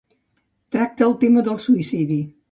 Tracta el tema del suïcidi.